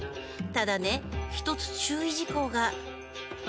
ただね１つ注意事項が。